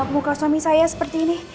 buka suami saya seperti ini